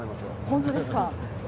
本当ですか。